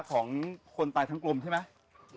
ของคนตายทั้งกลุ่มใช่ไหม